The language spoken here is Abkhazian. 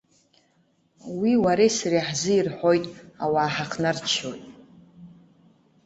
Уи уареи сареи ҳзы ирҳәоит, ауаа ҳахнарччоит.